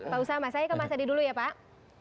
pak usama saya ke mas adi dulu ya pak